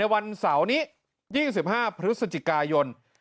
วันเสาร์นี้๒๕พฤศจิกายน